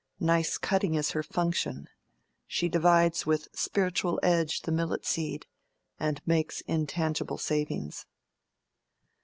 Nice cutting is her function: she divides With spiritual edge the millet seed, And makes intangible savings.